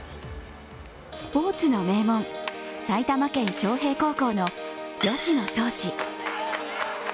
スポーツの名門、埼玉県昌平高校の吉野創士。